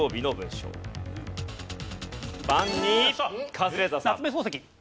カズレーザーさん。